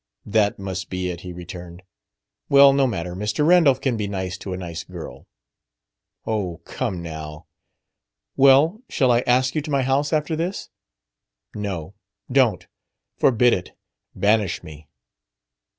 "That must be it," he returned. "Well, no matter. Mr. Randolph can be nice to a nice girl." "Oh, come now, " "Well, shall I ask you to my house, after this?" "No. Don't. Forbid it. Banish me."